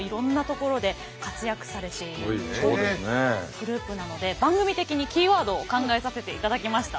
グループなので番組的にキーワードを考えさせていただきました。